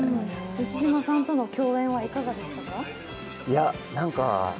西島さんとの共演はいかがでしたか？